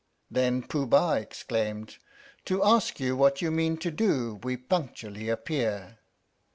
Then Pooh Bah exclaimed : To ask you what you mean to do we punctually appear.